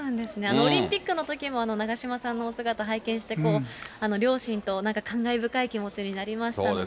オリンピックのときも、長嶋さんのお姿拝見して、両親となんか感慨深い気持ちになりましたので。